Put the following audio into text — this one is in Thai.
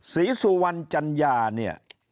ศรีสุวรรณจัญญาเนี่ย